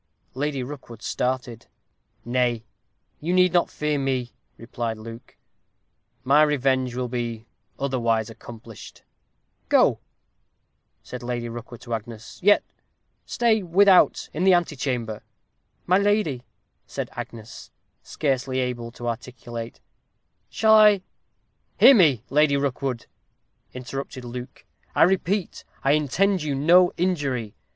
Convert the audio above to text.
Lady Rookwood started. "Nay, you need not fear me," replied Luke; "my revenge will be otherwise accomplished." "Go," said Lady Rookwood to Agnes; "yet stay without, in the antechamber." "My lady," said Agnes, scarcely able to articulate, "shall I " "Hear me, Lady Rookwood," interrupted Luke. "I repeat, I intend you no injury.